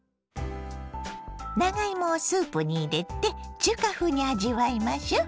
長芋をスープに入れて中華風に味わいましょ。